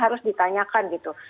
harus ditanyakan gitu